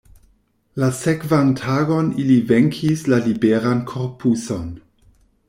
La sekvan tagon ili venkis la liberan korpuson.